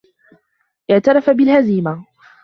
اعترف بالهزيمة.